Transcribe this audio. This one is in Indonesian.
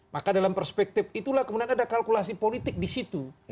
maka dalam perspektif itulah kemudian ada kalkulasi politik disitu